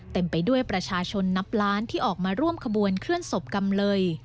เต็มไปด้วยประชาชนนับล้านที่ออกมาร่วมขบวนเคลื่อนศพกำเลย